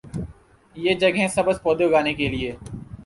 یہ جگہیں سبز پودے اگانے کے لئے